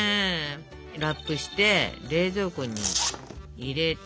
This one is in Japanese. ラップして冷蔵庫に入れて。